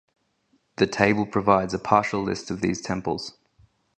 The table provides a partial list of these temples.